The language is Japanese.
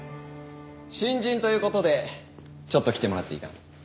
新人という事でちょっと来てもらっていいかな。